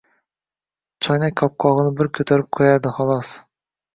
Choynak qopqog‘ini bir ko‘tarib qo‘yardi, xolos.